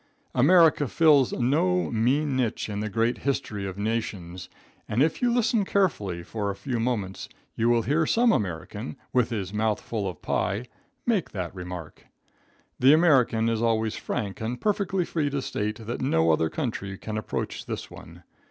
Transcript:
America fills no mean niche in the great history of nations, and if you listen carefully for a few moments you will hear some American, with his mouth full of pie, make that remark. The American is always frank and perfectly free to state that no other country can approach this one.